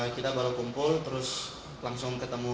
kita baru kumpul terus langsung ketemu